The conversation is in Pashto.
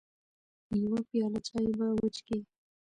يوه پياله چاى به وچکې .